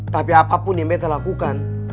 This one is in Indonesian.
tapi apapun yang beta lakukan